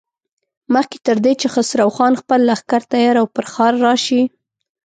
مخکې تر دې چې خسرو خان خپل لښکر تيار او پر ښار راشي.